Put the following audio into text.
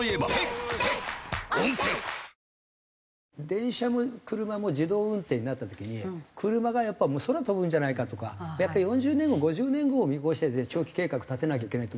電車も車も自動運転になった時に車がやっぱりもう空飛ぶんじゃないかとかやっぱ４０年後５０年後を見越して長期計画立てなきゃいけないと思うんですよ。